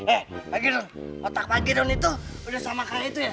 eh pak girun otak pak girun itu udah sama kali itu ya